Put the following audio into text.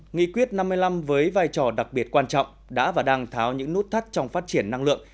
nghị quyết năm mươi năm với vai trò đặc biệt quan trọng đã và đang tháo những nút thắt trong phát triển năng lượng